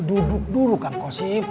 duduk dulu kang gosim